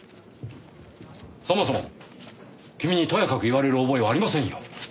そもそも君にとやかく言われる覚えはありませんよ。